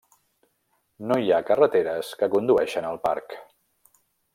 No hi ha carreteres que condueixen al parc.